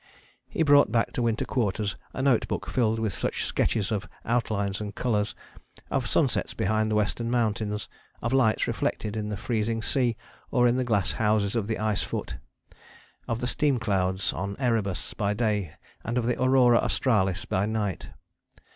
He brought back to Winter Quarters a note book filled with such sketches of outlines and colours: of sunsets behind the Western Mountains: of lights reflected in the freezing sea or in the glass houses of the ice foot: of the steam clouds on Erebus by day and of the Aurora Australis by night.